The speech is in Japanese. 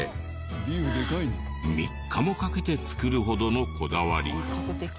３日もかけて作るほどのこだわり。